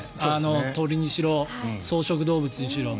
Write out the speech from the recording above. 鳥にしろ草食動物にしろ。